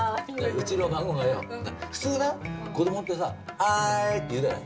うちの孫がよ普通子どもってさ「はい」って言うじゃない。